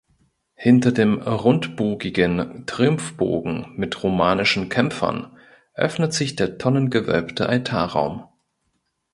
Hinter dem rundbogigen Triumphbogen mit romanischen Kämpfern öffnet sich der tonnengewölbte Altarraum.